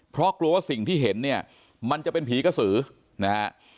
เพราะกลัวว่าสิ่งที่เห็นเนี่ยมันจะเป็นผีกระสือนะฮะ